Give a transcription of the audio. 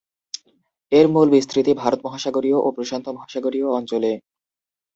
এর মূল বিস্তৃতি ভারত মহাসাগরীয় ও প্রশান্ত মহাসাগরীয় অঞ্চলে।